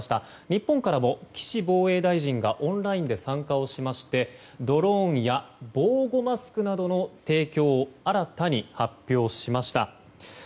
日本からも岸防衛大臣がオンラインで参加をしましてドローンや防護マスクなどの提供を新たに発表しました。